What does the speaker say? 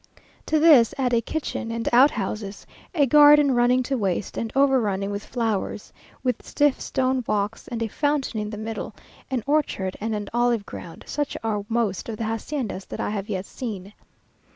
To this add a kitchen and outhouses, a garden running to waste and overrunning with flowers, with stiff stone walks and a fountain in the middle, an orchard and an olive ground; such are most of the haciendas that I have yet seen.